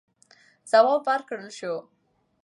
ځواب ورکړل سو.